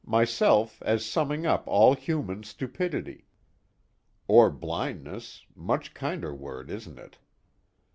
myself as summing up all human stupidity. Or blindness much kinder word, isn't it?